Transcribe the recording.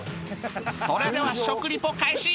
それでは食リポ開始！